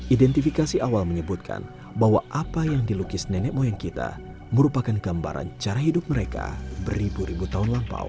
identifikasi awal menyebutkan bahwa apa yang dilukis nenek moyang kita merupakan gambaran cara hidup mereka beribu ribu tahun lampau